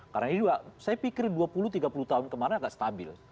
karena ini saya pikir dua puluh tiga puluh tahun kemarin agak stabil